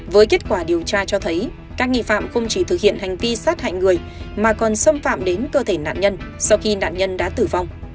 với kết quả điều tra cho thấy các nghi phạm không chỉ thực hiện hành vi sát hại người mà còn xâm phạm đến cơ thể nạn nhân sau khi nạn nhân đã tử vong